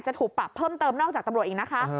จะถูกปรับเพิ่มเติมนอกจากตำรวจอีกนะคะ